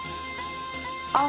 あっ！